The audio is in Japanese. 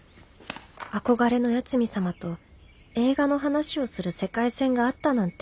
憧れの八海サマと映画の話をする世界線があったなんて。